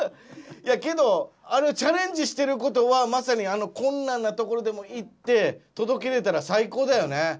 いやけどあのチャレンジしてることはまさに困難な所でも行って届けれたら最高だよね。